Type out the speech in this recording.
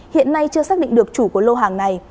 hiện nay chưa xác định được chủ của lô hàng này